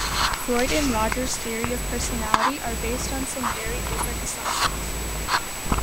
Freud and Roger's theory of personality are based on some very different assumptions.